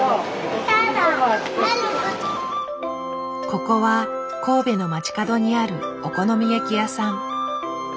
ここは神戸の街角にあるお好み焼き屋さん。